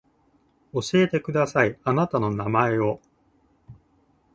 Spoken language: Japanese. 教えてくださいあなたの名前を